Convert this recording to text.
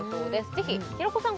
ぜひ平子さん